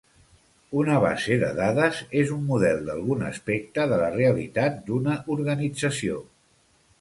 Una base de dades és un model d'algun aspecte de la realitat d'una organització.